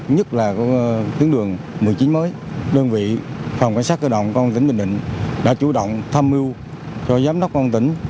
nhất là tuyến đường một mươi chín mới đơn vị phòng cảnh sát cơ động công an tỉnh bình định đã chủ động tham mưu cho giám đốc công an tỉnh